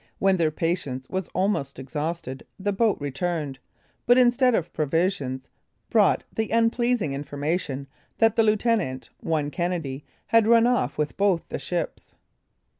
When their patience was almost exhausted, the boat returned, but instead of provisions, brought the unpleasing information, that the lieutenant, one Kennedy, had run off with both the ships.